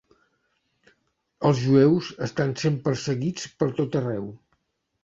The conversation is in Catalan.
Els jueus estan sent perseguits per tot arreu.